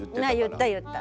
言った言った。